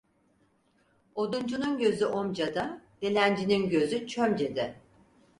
Oduncunun gözü omcada dilencinin gözü çömcede.